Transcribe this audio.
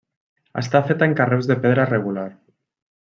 Està feta en carreus de pedra regular.